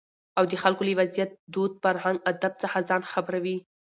او دخلکو له وضعيت، دود، فرهنګ اداب څخه ځان خبروي.